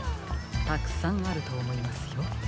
たくさんあるとおもいますよ。